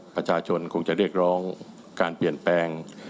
ประชาชนคงจะเรียกร้องการเปลี่ยนแปลง